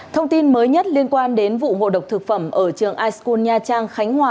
thông tin mới nhất liên quan đến vụ ngộ độc thực phẩm ở trường iskun nha trang khánh hòa